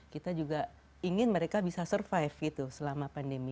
kita juga ingin mereka bisa survive gitu selama pandemi